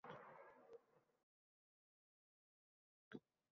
Yuqori nafas yo‘llari, o‘pka, yurak kasalliklari asal yordamida muolaja qilinadi.